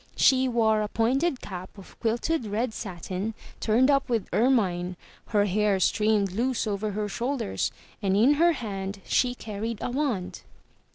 She wore a pointed cap of quilted red satin, turned up with ermine; her hair streamed loose over her shoulders, and in her hand she carried a wand.